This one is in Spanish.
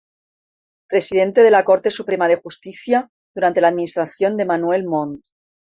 Presidente de la Corte Suprema de Justicia, durante la administración de Manuel Montt.